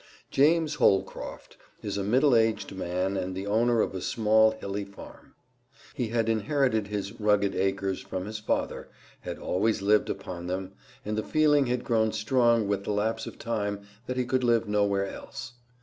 James Holcroft is a middle aged man and the owner of a small, hilly farm. He had inherited his rugged acres from his father, had always lived upon them, and the feeling had grown strong with the lapse of time that he could live nowhere else.